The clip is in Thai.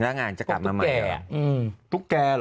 ละหงานจะกลับมาใหม่เลยล่ะ